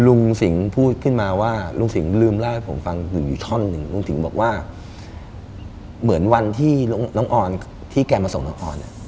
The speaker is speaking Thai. ลุงสิงห์พูดขึ้นมาว่าลุงสิงห์ลืมเล่าให้ผมฟังหนึ่งอยู่ท่อนหนึ่งลุงสิงห์บอกว่าเหมือนวันที่น้องออนที่แกมาส่งน้องออนเนี่ย